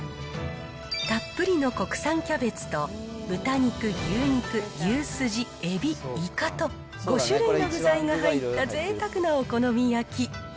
たっぷりの国産キャベツと、豚肉、牛肉、牛すじ、エビ、イカと、５種類の具材が入ったぜいたくなお好み焼き。